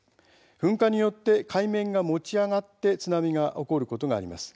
噴火に伴って海面が持ち上がり津波が起こることがあります。